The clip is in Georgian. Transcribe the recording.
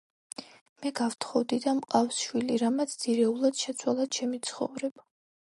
მე გავთხოვდი და მყავს შვილი, რამაც ძირეულად შეცვალა ჩემი ცხოვრება.